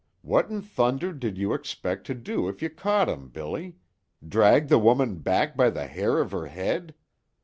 "What in thunder did you expect to do if you caught 'em, Billy? Drag the woman back by the hair of 'er 'ead?